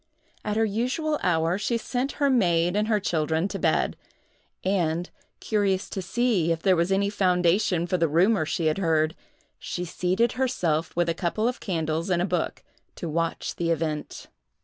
At her usual hour, she sent her maid and her children to bed, and, curious to see if there was any foundation for the rumor she had heard, she seated herself, with a couple of candles and a book, to watch the event.